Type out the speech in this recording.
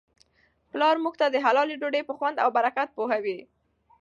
پلارموږ ته د حلالې ډوډی په خوند او برکت پوهوي.